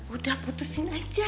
udah putusin aja